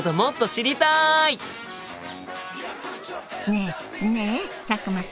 ねえねえ佐久間さん。